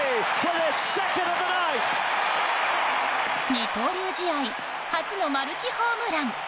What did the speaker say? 二刀流試合初のマルチホームラン！